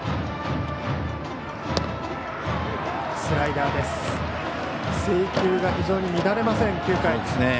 スライダーです。